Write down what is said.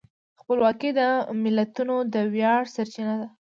خپلواکي د ملتونو د ویاړ سرچینه ده.